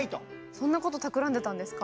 そんなことたくらんでたんですか？